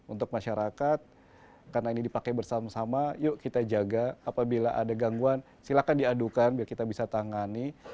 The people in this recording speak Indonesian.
untuk masyarakat karena ini dipakai bersama sama yuk kita jaga apabila ada gangguan silahkan diadukan biar kita bisa tangani